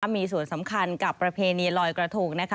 มีส่วนสำคัญกับประเพณีลอยกระทงนะคะ